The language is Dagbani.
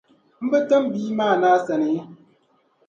N bi tim bia na asani?